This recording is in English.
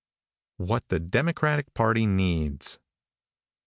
WHAT THE DEMOCRATIC PARTY NEEDS.